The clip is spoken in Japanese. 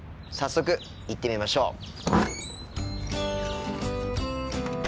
早速行ってみましょう。